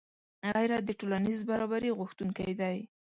غیرت د ټولنیز برابري غوښتونکی دی